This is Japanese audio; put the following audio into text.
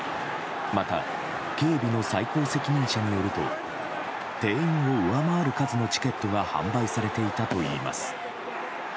また、警備の最高責任者によると定員を上回る数のチケットが販売されていたといいます。